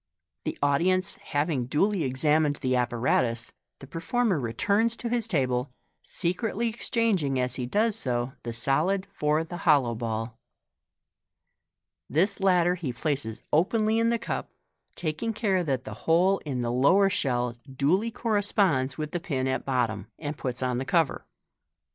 The audi ence having duly examined the ap paratus, the performer returns to his table, secretly exchanging as he does so the solid for the hollow ball. This latter he places openly in the cup, taking care that the hole in the lower shell duly corresponds with the pin at bottom, and puts on the cover.